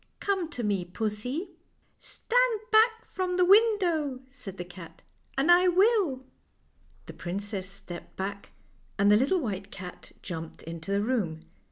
" Come to me, pussy." " Stand back from the window," said the cat, " and I will." The princess stepped back, and the little white cat jumped into the room.